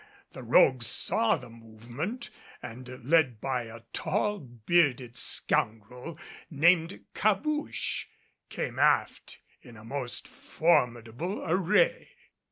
The rogues saw the movement, and, led by a tall bearded scoundrel named Cabouche, came aft in a most formidable array.